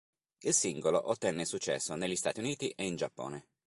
Il singolo ottenne successo negli Stati Uniti e in Giappone.